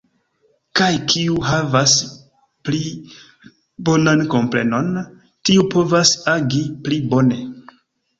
Kaj kiu havas pli bonan komprenon, tiu povas agi pli bone.